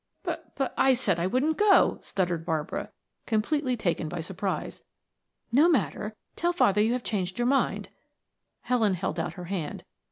"B b but I said I wouldn't go," stuttered Barbara, completely taken by surprise. "No matter; tell father you have changed your mind." Helen held out her hand.